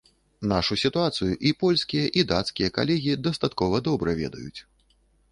Нашу сітуацыю і польскія, і дацкія калегі дастаткова добра ведаюць.